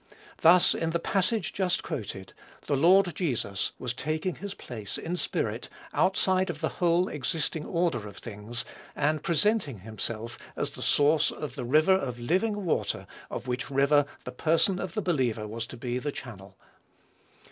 Thus in the passage just quoted, the Lord Jesus was taking his place, in spirit, outside of the whole existing order of things, and presenting himself as the source of the river of living water, of which river the person of the believer was to be the channel.